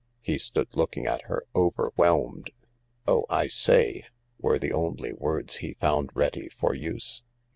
He stood looking at her, overwhelmed. " Oh, I say 1 " were the only words he found ready for use.